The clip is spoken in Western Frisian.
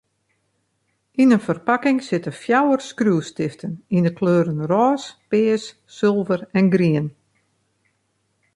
Yn in ferpakking sitte fjouwer skriuwstiften yn 'e kleuren rôs, pears, sulver en grien.